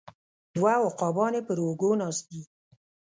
دوه عقابان یې پر اوږو ناست دي